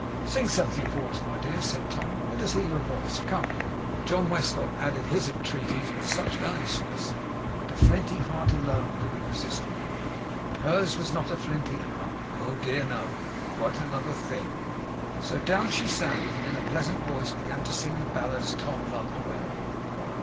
'Sing something to us, my dear,' said Tom, 'let us hear your voice. Come!' John Westlock added his entreaties with such earnestness that a flinty heart alone could have resisted them. Hers was not a flinty heart. Oh, dear no! Quite another thing. So down she sat, and in a pleasant voice began to sing the ballads Tom loved well.